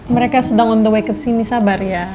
mereka sedang on the way ke sini sabar ya